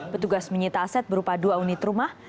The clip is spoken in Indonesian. petugas menyita aset berupa dua unit rumah